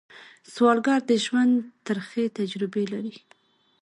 سوالګر د ژوند ترخې تجربې لري